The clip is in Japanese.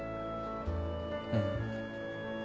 うん。